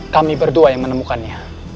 kami berdua yang menemukannya